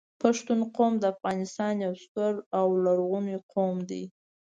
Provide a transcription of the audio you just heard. پښتون قوم د افغانستان یو ستر او لرغونی قوم دی